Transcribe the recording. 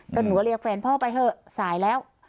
ก็หนูก็เรียกแฟนพ่อไปเถอะสายแล้ว